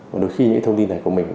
và đôi khi những thông tin này của mình